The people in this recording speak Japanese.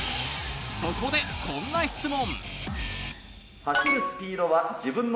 そこで、こんな質問。